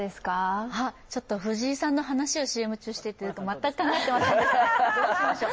藤井さんの話をＣＭ中にしていて全く考えていませんでした、どうしましょう。